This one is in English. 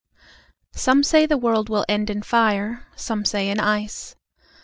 SOME say the world will end in fire, Some say in ice.